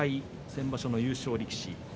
先場所の優勝力士。